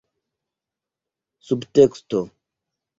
subteksto